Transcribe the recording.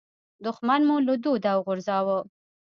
دوښمن مو له دوده وغورځاوو.